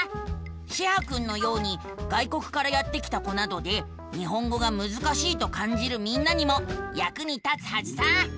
シェハくんのように外国からやって来た子などで日本語がむずかしいとかんじるみんなにもやくに立つはずさ。